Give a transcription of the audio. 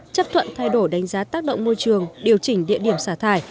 chấp thuận thay đổi đánh giá tác động môi trường điều chỉnh địa điểm xả thải